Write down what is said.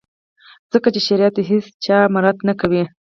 ځکه چي شریعت د هیڅ چا مراعات نه کوي.